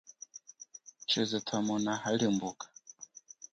Chize thwamona halimbuka.